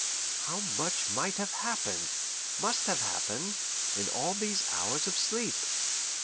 How much might have happened, must have happened, in all these hours of sleep!